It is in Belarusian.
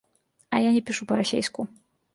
А я не пішу па-расейску.